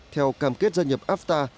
theo cam kết gia nhập afta